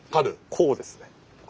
こうですね。